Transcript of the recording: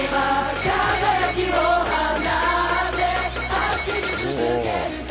輝きを放って走り続けるさ。